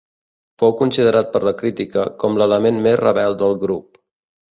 Fou considerat per la Crítica com l'element més rebel del grup.